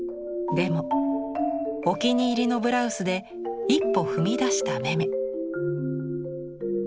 でもお気に入りのブラウスで一歩踏み出したメメ。